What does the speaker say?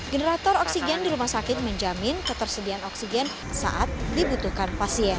generator oksigen di rumah sakit menjamin ketersediaan oksigen saat dibutuhkan pasien